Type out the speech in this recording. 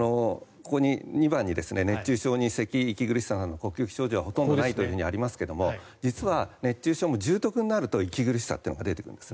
２番に熱中症にせき、息苦しさなどの呼吸器症状はほとんどないとありますが実は熱中症も重篤になると息苦しさが出てくる。